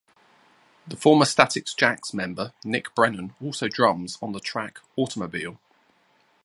Former Static Jacks member Nick Brennan also drums on the track "Automobile".